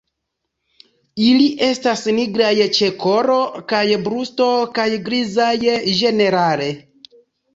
Ili estas nigraj ĉe kolo kaj brusto kaj grizaj ĝenerale.